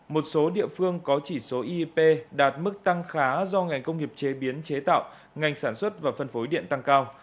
một số địa phương có chỉ số eep đạt mức tăng khá do ngành công nghiệp chế biến chế tạo ngành sản xuất và phân phối điện tăng cao